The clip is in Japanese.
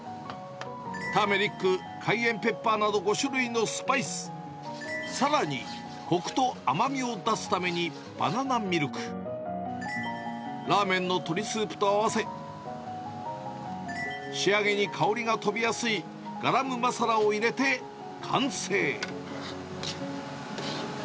ターメリック、カイエンペッパーなど５種類のスパイス、さらにこくと甘みを出すためにバナナミルク、ラーメンの鶏スープと合わせ、仕上げに香りが飛びやすいガラムマサラを入れて完成。